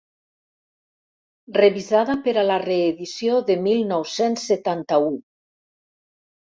Revisada per a la reedició de mil nou-cents setanta-u.